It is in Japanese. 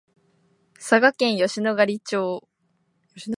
佐賀県吉野ヶ里町